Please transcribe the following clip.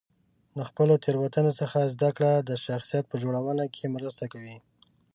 د خپلو تېروتنو څخه زده کړه د شخصیت په جوړونه کې مرسته کوي.